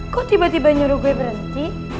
kok tiba tiba nyuruh gue berhenti